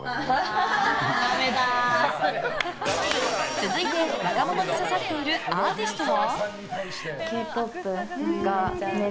続いて、若者に刺さっているアーティストは？